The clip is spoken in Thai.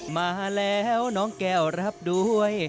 มาแล้วน้องแก้วรับด้วย